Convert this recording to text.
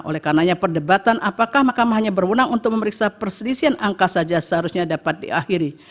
oleh karenanya perdebatan apakah mahkamah hanya berwenang untuk memeriksa perselisihan angka saja seharusnya dapat diakhiri